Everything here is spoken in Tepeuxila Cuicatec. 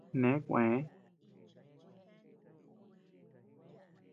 Neʼe kuëe.